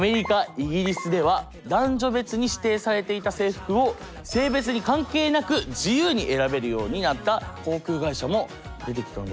イギリスでは男女別に指定されていた制服を性別に関係なく自由に選べるようになった航空会社も出てきたんだって。